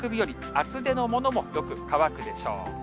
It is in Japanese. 厚手のものもよく乾くでしょう。